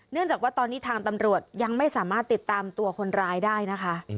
เนื่องจากว่าตอนนี้ทางตำรวจยังไม่สามารถติดตามตัวคนร้ายได้นะคะ